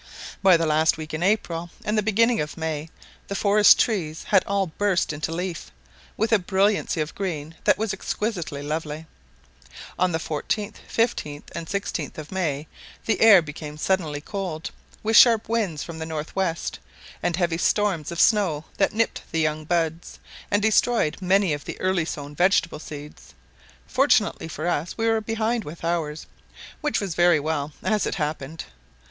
By the last week in April and the beginning of May, the forest trees had all burst into leaf, with a brilliancy of green that was exquisitely lovely. On the 14th, 15th, and 16th of May, the air became suddenly cold, with sharp winds from the north west, and heavy storms of snow that nipped the young buds, and destroyed many of the early sown vegetable seeds; fortunately for us we were behindhand with ours, which was very well, as it happened.